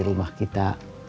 dari rumah kita